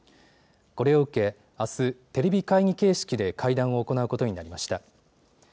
これを受けあす、テレビ会議形式で会談を行うことになりました。